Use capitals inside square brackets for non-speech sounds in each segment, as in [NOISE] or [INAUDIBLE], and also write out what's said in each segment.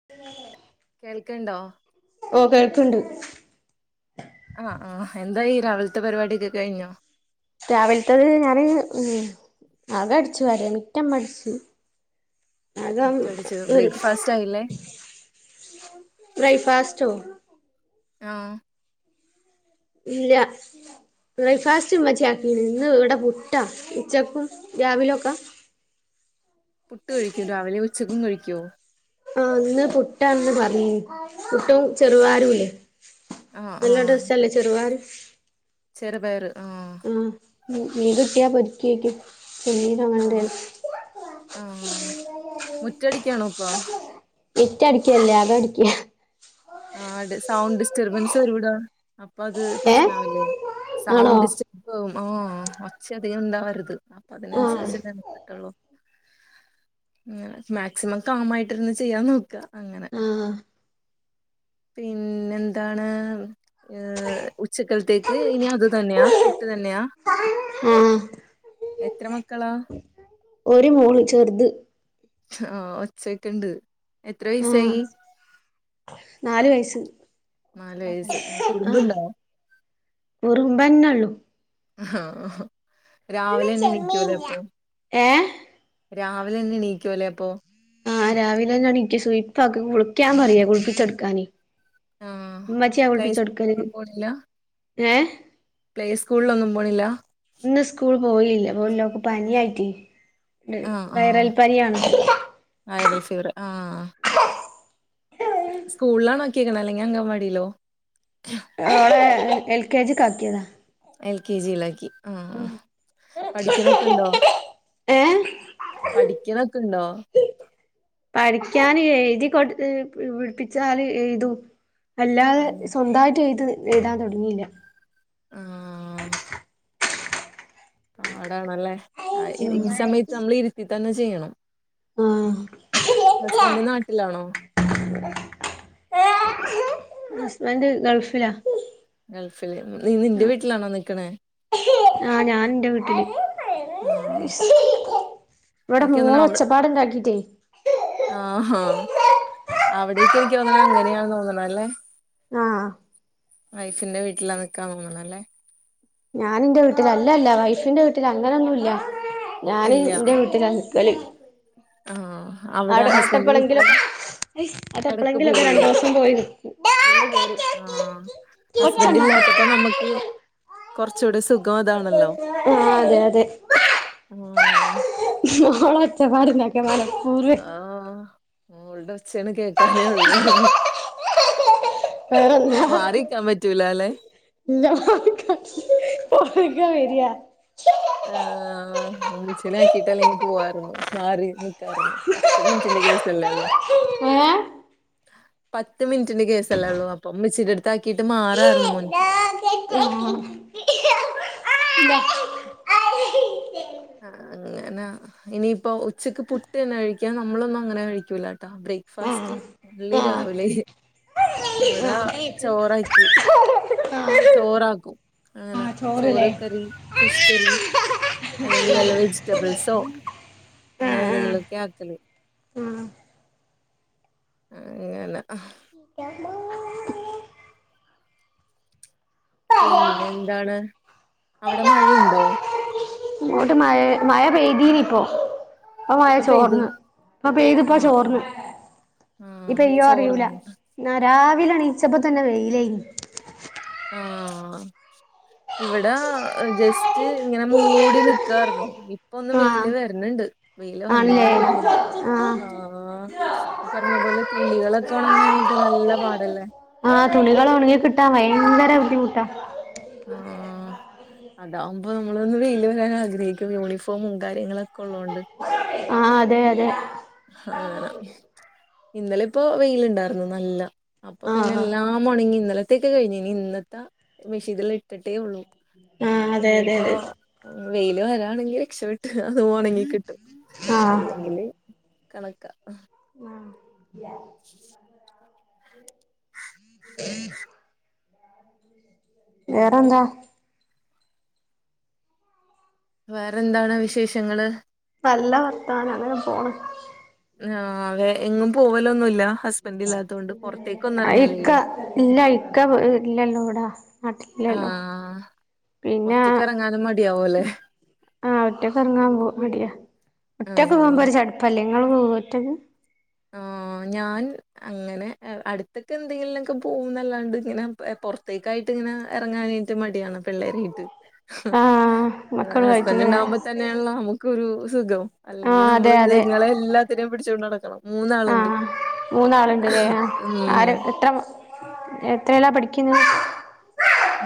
[UNINTELLIGIBLE] കേൾക്ക്ണ്ടോ ഓ കേൾക്ക്ണ്ട് ആഹ് ആഹ് എന്തായി ഈ രാവിലത്തെ പരിപാടൊക്കെ കഴിഞ്ഞോ രാവിലത്തത് ഞാന് അകം അടിച്ചു വരി മിറ്റംമ്മഅടിച്ചു അകം മുറ്റടിച്ച് ബ്രേക്ക്ഫാസ്റ്റ് ആയില്ലേ [UNINTELLIGIBLE] ബ്രൈക്ഫാസ്റ്റ്റ്റോ ആഹ് ഇല്ല ബ്രേക്ക് ഫാസ്റ്റ് മ്മച്ചിയാക്കിണ് ഇന്ന് ഇവിടെ പുട്ട ഉച്ചക്കും രാവിലക്കെ പുട്ട് കഴിക്കും രാവിലെ ഉച്ചക്കും കഴിക്കൊ ആഹ് ന്ന് പുട്ടാന്ന് പർഞ്ഞീനി പുട്ടും ചെറുവയറുല്ലേ ആഹ് നല്ല ആഹ് ടേസ്റ്റ് അല്ലെ ചെറുവയറ് ചെറുപയറ് ആഹ് ഉം മീൻ കിട്ടിയാ പൊരിക്കെയ്ക്കു പിന്നീം തിന്നണ്ടേ ആഹ് ആഹ് മുറ്റടിക്കാണോ പ്പൊ മുറ്റടിക്കല്ല അകടിക്ക ആഹ് ട് സൗണ്ട് ഡിസ്റ്റർബൻസ് വരുടാ അപ്പൊ അത് ഏഹ് പ്രശ്നാവില്ലേ ആണോ സൗണ്ട് ഡിസ്റ്റ പ് ഓ ഒച്ചധിക ണ്ടാവരുത് ആഹ് അപ്പതിനൻസരിച്ച്ട്ട് ടൊള്ളു ഉം മാക്സിമം കാമായിട്ടിരുന്ന് ചെയ്യാൻ നോക്ക അങ്ങനെ ആഹ് പിന്നെന്താണ് ഏ ഉച്ചക്കല്ത്തേക്ക് ഇനി അത് തന്നെയാ പുട്ട് തന്നെയാ ആഹ് എത്ര മക്കളാ? ഒരു മോള് ചെറ്ത് ആഹ് ഒച്ചേക്ക്ണ്ട് എത്ര ആഹ് വയസായി? നാല് വയസ്സ് നാല് വയസ്സ് ആഹ് കുറുമ്പുണ്ടോ കുറുമ്പെന്നൊള്ളൂ ആഹ് ഹാ ഏഹ് രാവിലെന്നെ എണീക്കുലെ അപ്പൊ ആഹ് രാവിലെന്നെ എണീക്കും സുയ്പ്പാക്കു കുളിക്കാൻ പറയാ കുളിപ്പിച്ചൊടുക്കാന് ആഹ് ഇമ്മച്ച്യാ പ്ലേ കുളിപ്പിച്ചോട്ക്കല് സ്കൂളിലൊന്നും പോണില്ല ഏഹ് പ്ലേ സ്കൂള്ലൊന്നും പോണില്ല ഇന്ന് സ്കൂൾ പോയില്ല പോയില്ല ഓക്ക് പന്യായിറ്റെ ത് ആഹ് ആഹ് വൈറൽ പനിയാണ് വൈറൽ ഫീവറ് ആഹ് സ്കൂള്ലാണോ ആക്കീക്ക്ണെ അല്ലെങ്കി അങ്ങൻവാടീലോ ഓളെ ഉം എൽകെജിക്കാക്കിയതാ എൽ കെ ജിയിലാക്കി ആഹ് ഉം പഠിക്കണൊക്കെണ്ടോ ഏഹ് പഠിക്കണൊക്കെണ്ടോ? പഠിക്കാന് എഴ്തി കൊട് ഏ പ് പിടിപ്പിച്ചാല് എഴുതും അല്ലാതെ അതെ സ്വന്തായിട്ട് എഴ്ത് എഴ്താൻ തൊടങ്ങീല്ല ആഹ് പാടാണല്ലേ എ ഈ സമയത്ത് നമ്മള് ഇരുത്തി തന്നെ ചെയ്യണം ഹസ്ബൻ്റ് നാട്ട്ലാണോ? ഹസ്ബൻ്റ് ഗൾഫ്‌ലാ ഗൾഫില് നീ നിന്റെ വീട്ട്ലാണോ നിക്ക്ണേ ആഹ് ഞാന് ഇന്റെ വീട്ടില് ആഹ് ഇവടെ എനിക്ക് മോള് ഒച്ചപ്പാട്ണ്ടാക്കിട്ടേ ആഹ് ഹാ അവിടേക്ക് എനിക്കൊന്ന്ണെ അങ്ങനെയാണ്‌ തോന്ന്ണല്ലേ ആഹ് വൈഫിന്റെ വീട്ടിലാ നിക്കാ തോന്ന്ണല്ലേ ഞാന് ഇന്റെ വീട്ടിലാ അല്ലല്ല വൈഫിന്റെ വീട്ടില് അങ്ങനൊന്നുല്ല ഞാന് ഇല്ല ഇന്റെ വീട്ടിലാ നിക്കല് ആഹ് അവിടെ അവ്ടെ ആട്ട് ഹസ്ബൻഡന്റെ വീട്ടില് എപ്പളെങ്കിലൊക്കെ എടക്ക് അതെപ്പളെങ്കിലൊക്കെ പോവുള്ളൂ രണ്ടോസം പോയി നിക്കും നിന്ന് പോരും ഹസ്ബൻ്റ് ഇല്ലാത്തപ്പോ നമ്മക്ക് കൊറ്ച്ചൂടെ സുഖ്‌ ആഹ് അതെ അതെ ആഹ് മോള് ഓച്ചപ്പാട്ണ്ടാക്ക മനപ്പൂർവ്വെ മോള്ടെ ഒച്ചേണ് കേക്കാനേ ഒള്ളൂ വേറെന്താ പറ്റൂലല്ലെ [UNINTELLIGIBLE] ആഹ് ഉമ്മച്ചിലാക്കീട്ട് അല്ലെങ്കി പോവാര്ന്നു മാറി നിക്കാര്ന്നു പത്ത് മിനിറ്റ്ന്റെ കേസല്ലേ ഒള്ളൂ ഏഹ് പത്ത് മിനിറ്റ്ന്റെ കേസല്ലേ ഒള്ളൂ അപ്പം ഉമ്മച്ചിന്റെ അട്ത്താക്കീട്ട് മാറാരുന്നു മോന്ക്ക് ഉം ആഹ് അങ്ങന ഇനിയിപ്പോ ഉച്ചക്ക് പുട്ടെന്നെ കഴിക്കാ നമ്മളൊന്നും അങ്ങനെ കഴിക്കൂലാട്ടാ ബ്രേക്ക്ഫാസ്റ്റ് ഒള്ളി രാവിലെ ഇവിടാ ചോറാക്കി ആഹ് ചോറാക്കും അങ്ങനാ ആഹ് ചോറില്ലേ ചോറ് കറി ഫിഷ്ക്കറി അല്ലെങ്കിൽ ആഹ് വല്ല വെജിറ്റബിൾസോ അങ്ങനെ ആഹ് എന്തെങ്കിലുക്കെ ആക്കല് ആഹ് അങ്ങന [UNINTELLIGIBLE] പിന്നെന്താണ് അവിടെ മഴയുണ്ടോ ഇവടെ മഴ മഴ പെയ്തീനി ഇപ്പോ ഇപ്പ മഴ ഇപ്പൊ പെയ്ത് ചോർന്ന് പ്പ പെയ്ത് പ്പോ ചോർന്ന് ഇനി ഉം പെയ്യോ അറിയൂല ചോർന്ന് ന്നാ രാവിലെ ണീച്ചപ്പോ തന്നെ വെയിലേനി ആഹ് ഇവിടാ ജസ്റ്റ് ഇങ്ങന മൂടി നിക്കാർന്നു ഇപ്പോ ഒന്ന് ആഹ് വെയില് വര്ണ് ണ്ട് വെയില് വന്നാ ആണല്ലേ മതിയായിരുന്നു ആഹ് ആഹ് ഈ പറഞ്ഞ പോലെ തുണികളൊക്കെ ഉണങ്ങാനായിട്ട് നല്ല പാടല്ലേ ആഹ് തുണികള് ഒണങ്ങി കിട്ടാൻ ഭയങ്കര ബുദ്ധിമുട്ടാ ആഹ് [UNINTELLIGIBLE] അതാവുമ്പോ നമ്മളൊന്ന് വെയില് വരാൻ ആഗ്രഹിക്കും യൂണിഫോമും കാര്യങ്ങളൊക്കെ ഉള്ളോണ്ട് ആഹ് അതെ അതെ അങ്ങന ഇന്നലെ ഇപ്പോ വെയില് ഇണ്ടായിരുന്നു നല്ല അപ്പൊ പിന്നെ ആഹ് എല്ലാം മോണങ്ങി ഇന്നലത്തൊക്കെ കഴിഞ്ഞ് ഇനി ഇന്നത്ത മിഷ്യയത്തില് ഇ ഇട്ട്ട്ടേ ഉള്ളൂ ആഹ് അതെ അതെ ഇനിയിപ്പോ അതെ വെയില് വരാണെങ്കി രക്ഷപെട്ടു അത് ഒണങ്ങികിട്ടും ആഹ് അല്ലെങ്കില് കണക്കാ ആഹ് ഉ [UNINTELLIGIBLE] വേറെന്താ വേറെന്താണ് വിശേഷങ്ങള് നല്ല വർത്താനം അങ്ങനെ പോണ് ആഹ് അതെ എങ്ങും പോവലോന്നുല്ലാ ഇക്ക ഇല്ല ഇക്ക ഇല്ലല്ലോ വ്ടാ ആഹ് പിന്നെ ഒറ്റക്ക് എറങ്ങാനും മടിയാവോലെ ആഹ് ഒറ്റക്ക് എറങ്ങാൻ പോ മടിയാ ഒറ്റക് ആഹ് പോമ്പോ ഒരു ചടപ്പല്ലെ ങ്ങൾ പോകോ ഒറ്റക്ക് ആഹ് ഞാൻ അങ്ങനെ അട്ത്ത്ക്ക് എന്തെങ്കിലിനോക്കെ പോകുന്നല്ലാണ്ട് ഇങ്ങനെ പുറത്തേക്കായി ട്ട്ങ്ങന എറങ്ങാനായിട്ട് മടിയാണ് പിള്ളേരേയിട്ട് ആഹ് അഹ് ഹസ്ബൻഡ് മക്കളുമായിട്ടില്ലേ ഉണ്ടാകുമ്പ തന്നെയാണല്ലോ നമുക്കൊരു സുഖം അല്ലെങ്കിൽ ആഹ് അതെ നമ്മള് അതെ ങ്ങളെ എല്ലാം തിരം പിടിച്ചോണ്ട് നടക്കണം ആഹ് മൂന്നാളുണ്ട് ആഹ് മൂന്നാള്ണ്ട്ലെ ആഹ് ഉം ആര എത്ര എത്രയിലാ പഠിക്കിന്നെ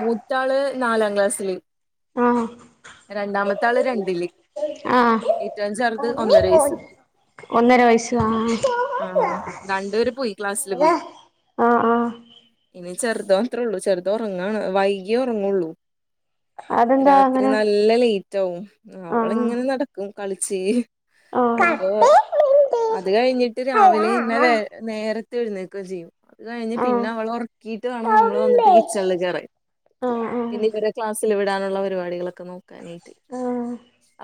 മൂത്താള് നാലാം ക്ലാസ്സില് ആഹ് രണ്ടാമത്താള് രണ്ടില്. ആഹ് ഏറ്റവും ചെറുത് ഒന്നര വയസ്സ് ഒന്നര വയസ്സ് ആഹ് ആഹ് രണ്ടുപേര് പോയി ക്ലാസ്സില് പോയി ആഹ് ആഹ് ആഹ് ഇനി ചെർത് മാത്രയൊള്ളൂ ചെർതൊർങ്ങാണ് വൈകിയേ ഒർങ്ങോള്ളൂ. അതെന്താ അങ്ങനെ? നല്ല ലേറ്റാവും അവള് ആഹ് ഇങ്ങനെ നടക്കും കളിച്ച് ആഹ് ആഹ് ആഹ് അപ്പൊ അത് കഴിഞ്ഞിട്ട് ആഹ് രാവിലെ ഇന്ന് വെ നേരത് ത്തെ എഴുന്നേക്കചെയ്യും അത് കഴിഞ്ഞ് ആഹ് പിന്നെ അവളൊർ ക്കീട്ട് വാണം ആഹ് ന്നമ്മള് വന്ന്ട്ട് അങ്ങനെ കിച്ചൺല് കേറാൻ. പിന്നെ ഇവരെ ക്ലാസ്സിൽ വിടാനുള്ള പരിപാടികളൊക് ക്കെ നോക്കാനായ്ട്ട്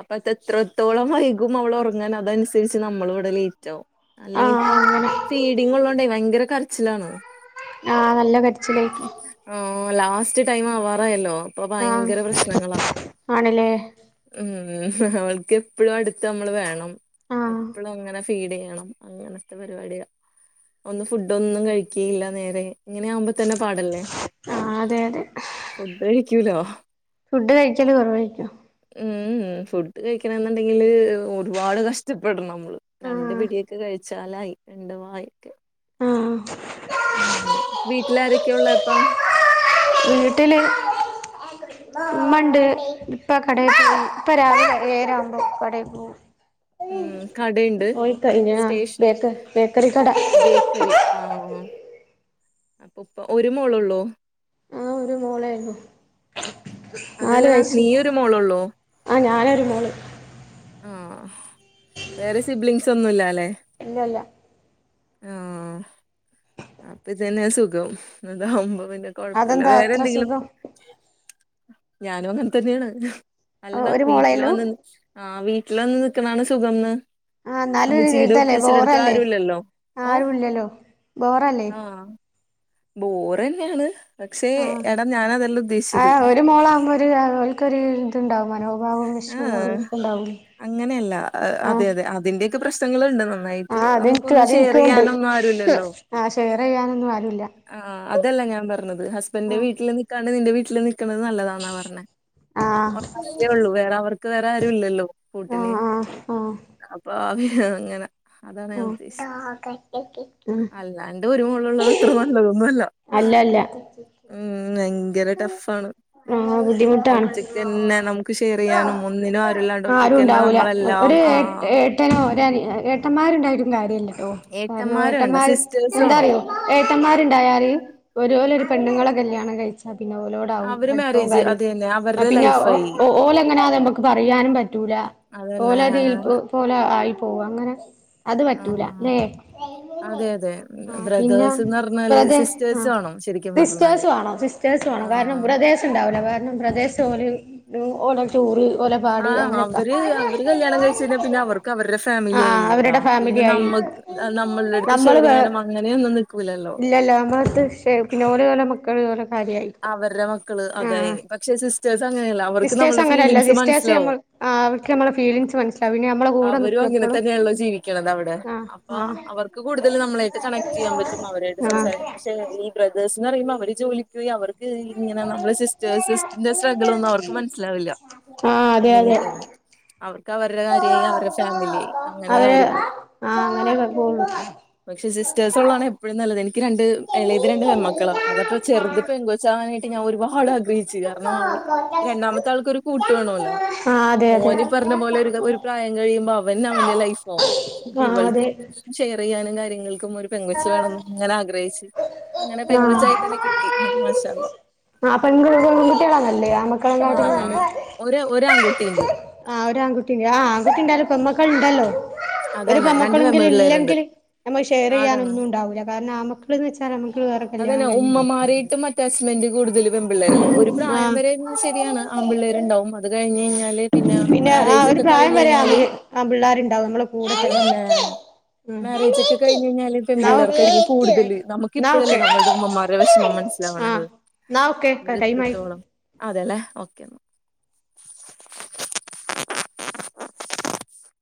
അപ്പത്തത്രത്തോളം വൈകും അവള് ഒർങ്ങാൻ അതനുസരിച്ച് ന്നമ്മളും ഇവടെ ലേയ്റ്റാവും. അല്ലെങ്കിപ്പോ ഫീഡിങ്ങ്ള്ളോണ്ടേയ് ഭയങ്കര കര്ച്ചിലാണ്. ആഹ് നല്ല കരിച്ചിലായ്ക്കും. ആഹ് ലാസ്റ്റ് ടൈം ആവാറായല്ലോ അപ്പൊ ഭയങ്കര പ്രശ്നങ്ങളാ. ആണ്ല്ലേ ഉം ഓൾക്കെപ്പഴും അടുത്ത് അമ്മള് വേണം. ആഹ് എപ്പളും അങ്ങനെ ഫീഡെയ്യണം അങ്ങനത്തെ പരിപാടിയ. ഒന്ന് ഫുഡോന്നും കഴിക്കയില്ല നേരെ ഇങ്ങനെ ആവുമ്പോ തന്നെ പാടല്ലേ. ആഹ് അതെ അതെ. ഫുഡ് കഴിക്ക്യൂലോ? ഫുഡ് കഴിക്കല് കൊറവായിരിക്കും. ഉം ഉം ഫുഡ് കഴിക്കണെന്ന്ണ്ടെങ്കില് ഒരുപാട് കഷ്ടപ്പെടണം അമ്മള്. രണ്ട് ആഹ് പിടിയൊക്കെ കഴിച്ചാലായി രണ്ട് വായൊക്കെ. ഉം അങ്ങനെ വീട്ടിലാരൊക്കെയ് ഉള്ളെ അപ്പൊ? വീട്ടില് ഇമ്മണ്ട് ഇപ്പ കടേ പോയി ഇപ്പ രാവിലെ ഏഴരാവുമ്പോ കടേ പോവും. ആഹ് ഉം കടയുണ്ട് പോയിക്കഴിഞ്ഞാ സ്റ്റേഷൻ ബേക്ക ബേക്കറി കട. ബേക്കറി ആഹ് അപ്പൊപ്പ ഒര് മോളൊള്ളൊ? ണ്ടായ്ന്നു നാല് അതല്ലടാ വയസ്സ് നീ ഒരു മോളൊള്ളൂ ആഹ് ഞാനൊരു മോള്. ആഹ് വേറെ സിബ്ലിങ്സ് ഒന്നുല്ലല്ലെ. ഇല്ലല്ല ആഹ് അപ്പതെന്നെ സുഖം അതാവുമ്പോ പിന്നെ കൊഴപ്പല്ല അതെന്താ അത്ര വേറെന്തെങ്കിലും സുഖം ഞാനും അങ്ങൻതന്നെണ് അല്ലെടാ ഒരു വീട്ടിൽ മോളേള്ളൂ വന്ന്ന്ന്. ആഹ് വീട്ടിൽ വന്ന് ന്നിക്ക്ണാണ് സുഖംന്ന്. ആ എന്നാലും ഉമ്മചീടെ ഇതല്ലേ ഉപ്പിച്ചീടെ അടുത്ത് ബോറല്ലേ ആരുല്ലല്ലോ ഓഹ് ആരുല്ലല്ലോ ബോറല്ലേ ആഹ്. ബോറെന്നെയാണ് പക്ഷേ എടാ ഞാൻ അതെല്ലാ ഉദ്ദേശിച്ചത്. മോളാവുമ്പം ത് ആഹ് ഓൽക്കൊര് ഇത്ണ്ടാവും [UNINTELLIGIBLE] എ ഏഹ് അങ്ങനെയല്ല അതെ ആഹ് അതെ അതിന്റെയൊക്കെ പ്രശ്നങ്ങളുണ്ട് നമ്മ ന്നായ്ട്ട് ആഹ് അതെനിക്ക് നമുക്കൊന്ന് അതെനിക്കും ഉണ്ട് ഷെയറെയ്യാനൊന്നും ആരുല്ലല്ലോ. ആഹ് ഷെയറെയ്യാനൊന്നും ആരുല്ല. ആഹ് അതല്ല ഞാൻ പറഞ്ഞത് ഹസ്ബന്റെ ആഹ് വീട്ടില്ന്നിക്കാണ്ട് ന്നിന്റെ വീട്ടില് നിക് ക്ക്ണത് ന്നല്ലതാന്നാ പർണേ ആഹ് ഒരാളല്ലെ ഒള്ളൂ വേറെ അവർക്ക് വേറെ ആരുല്ലല്ലോ. കൂട്ടിന് ആഹ് ആഹ് അപ്പൊ അവര് ഇങ്ങനെ ഉം ഉം അന്റെ ഒരുമോള് ള്ളത് ഇത്ര നല്ലതൊന്നു അല്ല. അല്ല അല്ല ഉം ഭയങ്കര ടഫാണ് ആഹ് ബുദ്ധിമു ട്ടാണ് ഒറ്റക്കന്നെ നമുക്ക് ഷെയർ ചെയ്യാനും ഒന്നിനും ആരുല്ലാണ്ട് ആരും ഒറ്റക്കന്നെ ഉണ്ടാവുല്ല നമ്മളെല്ലാം ഒരു ആ എട്ട് ട്ടനോ ഒര് അനിയ ഏട്ടന്മാരുണ്ടായിട്ടും കാര്യല്ലല്ലോ കാരണം വേണ്ട ഏട്ടന്മാര് സിസ്റ്റേഴ്സ് വേണം എന്താറിയോ ഏട്ടന്മാരുണ്ടായാല് ഒര് ഓലൊരു പെണ്ണുങ്ങളെ കല്യാണം കഴിച്ചാ പിന്നെ ഓലോ ടാവും അവര് അടുപവും മാരേജ് കാര്യവും അത് തന്നെ അവരുടെ പിന്നെ ലൈഫായി ഓല് എങ്ങന നമുക്ക് പറയാനും പറ്റൂല അതന്നെ ഓലതിൽ പോലെ ആയി പോവും അങ്ങനെ അത് ആ പറ്റൂല ല്ലേ അതെ അതെ ആഹ് പിന്നെ ബ്രദേഴ്സ്ന്ന് പറഞ്ഞാല് വതെ ആ സിസ്റ്റേഴ്സ് വേണം ശരിക്കും സിസ്റ്റെസ് പറഞ്ഞാല് വാണം സിസ് സ്റ്റേഴ്സ് വാണം കാരണം ആ ബ്രദേഴ്സ് ഉണ്ടാവില്ല കാരണം ബ്രദേഴ്സ് ഓല് ഓലെ ചോറ് ഓലെ പാട് ആഹ് അങ്ങനെയൊക്ക അവര് അവര് കല്യാണം കഴിച്ച് കഴിഞ്ഞാ പിന്നെ അവർക്ക് അവരുടെ ആ ഫാമിലി ആയില്ലേടാ അവരുടെ പിന്നെ ഫാമിലി ആയി നമ്മക്ക് നമ്മളുടെ അടുത്ത് നമ്മള് ഷെയർ വ ചെയ്യാനും അങ്ങനെയൊന്നും നിക്കൂലല്ലോ ഇല്ലല്ല നമ്മളെത്ത് ഷെ പിന്നെഓരോലെ മക്കൾ ഓല കാര്യായി അവരുടെ മക്കള് അതായി ആഹ് പക്ഷെ സിസ് സ്റ്റർസ് അങ്ങനല്ല അവർക്ക് സിസ്റ്റേഴ്സ് നമ്മളെ അങ്ങനെയല്ല ഫിലിംഗ്സ് സിസ്റ്റേഴ്സ് മനസ്സിലാവും നമ്മൾ ആഹ് അവർക്ക് നമ്മളെ ഫീലിംഗ്സ് മനസ്സിലാവും പിന്നെ നമ്മളെ കൂടെ അവരും നിക്കും എപ്പളും അങ്ങനെതൻ ല്ല ജീവിക്കണുന്നത് അവിടെ ആഹ് അപ്പൊ ആഹ് അവർക്ക് കൂടുതൽ നമ്മളായിട്ട് കണക്ട് ചെയ്യാൻ പറ്റും അവരായിട്ട് ആഹ് സംസാരിക്കാൻ പ ഈ ബ്രദേേഴ്സ്ന്ന് പറയുമ്പോ അവര് ജോലിക് പോയി അവർ ക്ക് ഇങ്ങനെ നമ്മള സിസ്റ്റേഴ്സിൻ്റെ സ്ട്രഗിൾ ഒന്നും അവർക്ക് മനസ്സിലാവില്ല ആഹ് അതെ അല്ലെങ്കിൽ അതെ തന്നെ അവർക്ക് അവരുടെ കാര്യായി അവരുടെ ഫാമിലിയായി അവര് ആഹ് അങ്ങനെ പോള്ളു പക്ഷെ സിസ്റ്റേഴ്സ് ഉള്ളതാണ് എപ്പോഴും നല്ലത് എനിക്ക് രണ്ട് എളേത് രണ്ട് പേമക്കളാ അതപ്പോ ചെറുത് പെൺകോച്ചാവാനായിട്ട് ഞാൻ ഒരുപാട് ആഗ്രഹിച്ചു കാരണം അവ രണ്ടാമത്തെ ആൾക്കൊരു കൂട്ട്ണ വേണോല്ലോ ആ അതെ അതെ മോൻ ഈ പറഞ്ഞ പോലെ ഒരു ഒരു പ്രായം കഴിയുമ്പോ അവൻ അവന്റെ ലൈഫ് ആവും ഇപ്പ ആ ഇവൾക്ക് അതെ എന്തെങ്കിലും ഷെയർ ചെയ്യാനും കാര്യങ്ങൾക്കും ഒരു പെങ്കൊച് വേണംങ്ങന ആഗ്രഹിച്ച് അങ്ങനെ പെങ്കൊച്ചായി തന്നെ കിട്ടി മാഷാ അള്ളാ ആഹ് പെൺകുട്ടിള നല്ലത് ആൺമക്കളെ കാട്ടി നല്ലത് ഒര ഒരു ആൺകുട്ടിയുണ്ട് ആഹ് ഒരു ആൺകുട്ടിണ്ട് ആഹ് ആൺകുട്ടി ഉണ്ടാലും പെമ്മക്കളുണ്ടല്ലോ ഒരു അതന്നെ രണ്ട് പെൺമക്കളെങ്കിലും പെൺപിള്ളേരുണ്ട് ഇല്ലെങ്കിൽ നമ്മക്ക് ഷെയർ പാടാണ് ചെയ്യാനൊന്നും ഉണ്ടാവൂല്ല കാരണം ആൺമക്ക മക്കൾ വച്ചാൽ അതന്നെ ഉമ്മമാരെറ്റും അറ്റാച്ച്മെന്റ് കൂടുതലും വെപിള്ളേരല്ലേ ഒരു പ്രായം വരെ ശരിയാണ് ആ ആപിള്ളേർണ്ടാവും അത് കഴിഞ് ആഹ് കഴിഞ്ഞാല് പിന്നെ ആ മാരേജ് ഒരു ഒക്കെ പ്രായം കഴിഞ് വരെ കഴിഞ്ഞാല് ആമില് ആ പിള്ളേരുണ്ടാവും നമ്മളെ കൂടെ തന്നെ അതന്നെ ഉം മാര്യേജ് ഒക്കെ കഴിഞ് കഴിഞ്ഞാല് പെ ന്നാ പിള്ളേർക്കായിരിക്കും ഓക്കെ കൂടുതല് നമുക്ക് ന്നാ ഇപ്പോഴ ഓക്കെ നമ്മൾടെ ഉമ്മമാരെ വിഷമം ആഹ് മനസ്സിലാവണത് ന്നാ ഓക്കെ അവര് ടൈമായി എത്രത്തോളം അതെലേ ഓക്കേ എന്നാൽ